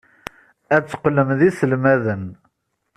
Ad teqqlem d iselmaden.